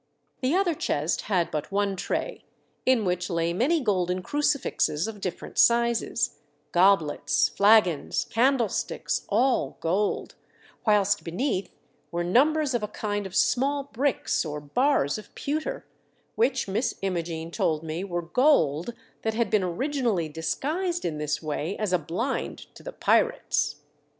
The other chest had but one tray, in which lay many golden crucifixes of different sizes, goblets, flagons, candlesticks, all gold, whilst beneath were numbers of a kind of small bricks or bars of pewter, which Miss Imogene told me were gold that had been originally disguised in this way as a blind to the pirates.